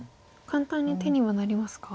簡単に手にはなりますか？